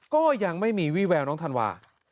ก็ยังไม่มีวี่แววน้องธันวา